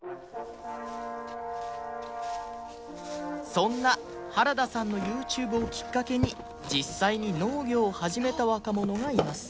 そんな原田さんの ＹｏｕＴｕｂｅ をきっかけに実際に農業を始めた若者がいます